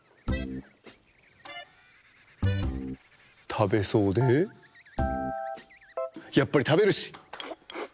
たべそうでやっぱりたべるし。